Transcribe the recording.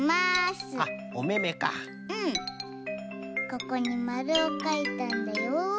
ここにまるをかいたんだよ。